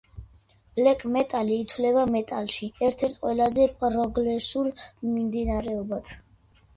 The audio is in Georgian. ბლეკ მეტალი ითვლება მეტალში ერთ-ერთ ყველაზე პროგრესულ მიმდინარეობად.